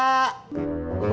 kamu punya hape juga